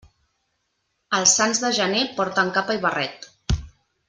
Els sants de gener porten capa i barret.